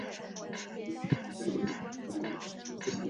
治所在荣懿县。